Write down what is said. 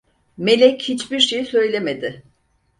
Melek hiçbir şey söylemedi.